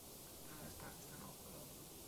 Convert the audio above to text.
Daher ist Pakistan auch voller Hoffnung.